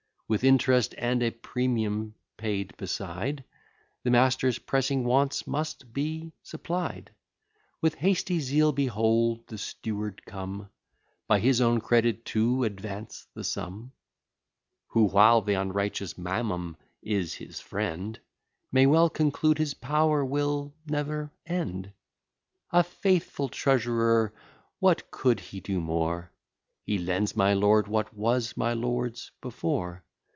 With interest, and a premium paid beside, The master's pressing wants must be supplied; With hasty zeal behold the steward come By his own credit to advance the sum; Who, while th'unrighteous Mammon is his friend, May well conclude his power will never end. A faithful treasurer! what could he do more? He lends my lord what was my lord's before.